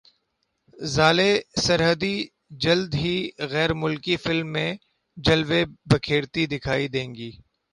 ژالے سرحدی جلد ہی غیر ملکی فلم میں جلوے بکھیرتی دکھائی دیں گی